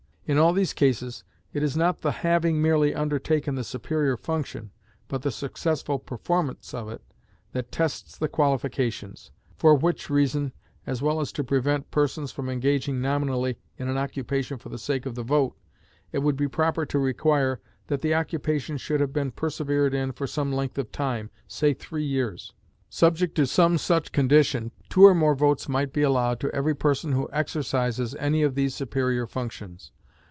In all these cases it is not the having merely undertaken the superior function, but the successful performance of it, that tests the qualifications; for which reason, as well as to prevent persons from engaging nominally in an occupation for the sake of the vote, it would be proper to require that the occupation should have been persevered in for some length of time (say three years). Subject to some such condition, two or more votes might be allowed to every person who exercises any of these superior functions.